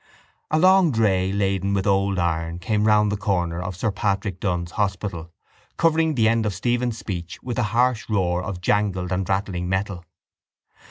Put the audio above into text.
A long dray laden with old iron came round the corner of Sir Patrick Dun's hospital covering the end of Stephen's speech with the harsh roar of jangled and rattling metal.